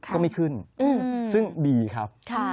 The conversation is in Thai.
ก็ไม่ขึ้นซึ่งดีครับ